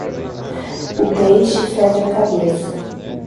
O peixe fede a cabeça.